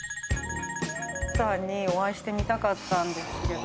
さんにお会いしてみたかったんですけど。